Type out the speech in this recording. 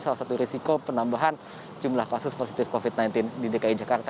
salah satu risiko penambahan jumlah kasus positif covid sembilan belas di dki jakarta